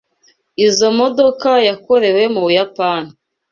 Izoi modoka yakorewe mu Buyapani.